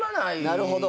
なるほど。